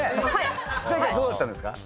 前回どうだったんですか？